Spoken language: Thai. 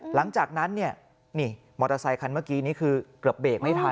หลังจากนั้นเนี่ยนี่มอเตอร์ไซคันเมื่อกี้นี้คือเกือบเบรกไม่ทัน